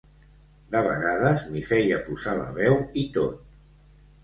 De vegades m'hi feia posar la veu i tot.